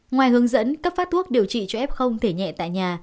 ngoài hướng dẫn cấp phát thuốc điều trị cho f thể nhẹ tại nhà